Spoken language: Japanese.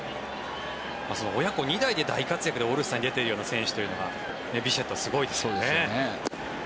親子２代で大活躍でオールスターに出ているような選手というのはビシェット、すごいですね。